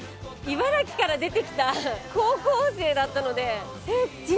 茨城から出てきた高校生だったのでえっ